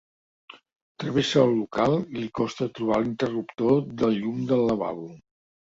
Travessa el local i li costa trobar l'interruptor del llum del lavabo.